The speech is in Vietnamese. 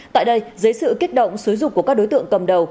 tại đây dưới sự kích động sử dụng của các đối tượng cầm đầu